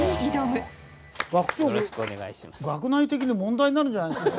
学長学内的に問題になるんじゃないですか？